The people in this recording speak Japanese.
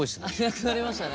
なくなりましたね。